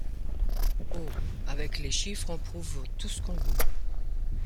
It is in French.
Oh ! avec les chiffres on prouve tout ce qu’on veut !